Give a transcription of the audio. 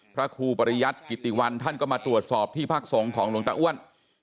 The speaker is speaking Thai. ครูปริยัติกิติวันท่านก็มาตรวจสอบที่พักสงฆ์ของหลวงตาอ้วน